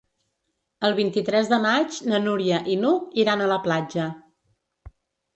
El vint-i-tres de maig na Núria i n'Hug iran a la platja.